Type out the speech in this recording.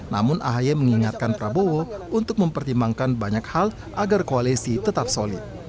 namun ahy mengingatkan prabowo untuk mempertimbangkan banyak hal agar koalisi tetap solid